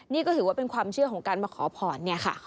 นี่ก็ถือว่าเป็นความเชื่อของการมาขอพรเนี่ยค่ะ